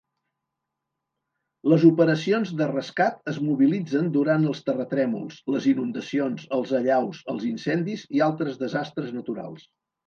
Les operacions de rescat es mobilitzen durant els terratrèmols, les inundacions, els allaus, els incendis i altres desastres naturals.